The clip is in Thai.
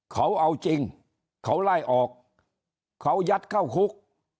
เขาเอาจริงเขาไล่ออกเขายัดเข้าคุก